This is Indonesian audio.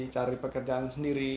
cari pekerjaan sendiri